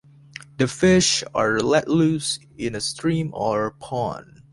The fish are let loose in a stream or pond.